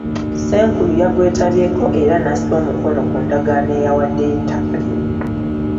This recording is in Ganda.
Ssenkulu yagwetabyeko era n'assa omukono ku ndagaano eyawaddeyo ettaka lino.